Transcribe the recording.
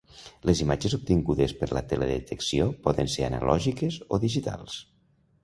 Les imatges obtingudes per la teledetecció poden ser analògiques o digitals.